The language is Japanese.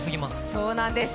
そうなんです。